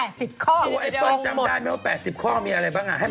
เดี๋ยวเดี๋ยวเปิ้ลจำได้ไหมว่า๘๐ข้อมีอะไรบ้างอ่ะ